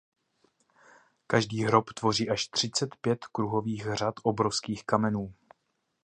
Každý hrob tvoří až třicet pět kruhových řad obrovských kamenů.